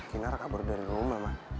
kinar kabur dari rumah ma